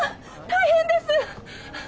大変です！